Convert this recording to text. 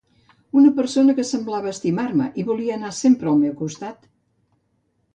Una persona que semblava estimar-me i volia anar sempre al meu costat...